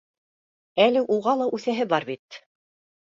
Әле уға ла үҫәһе бар бит